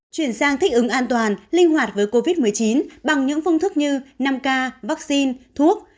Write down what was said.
chuyển sang thích ứng an toàn linh hoạt với covid một mươi chín bằng những phương thức như năm k vaccine thuốc